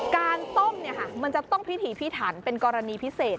การต้มมันจะต้องพิถีพิถันเป็นกรณีพิเศษ